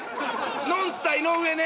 ノンスタ井上ね。